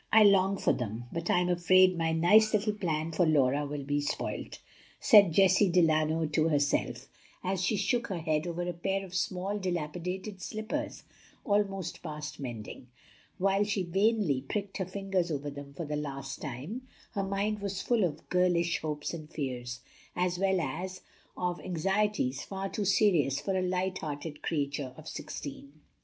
I long for them, but I'm afraid my nice little plan for Laura will be spoilt," said Jessie Delano to herself, as she shook her head over a pair of small, dilapidated slippers almost past mending. While she vainly pricked her fingers over them for the last time, her mind was full of girlish hopes and fears, as well as of anxieties far too serious for a light hearted creature of sixteen.